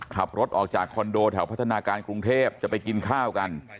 ขับรถออกจากคอนโดแถวพัฒนาการกรุงเทพจะไปกินข้าวกัน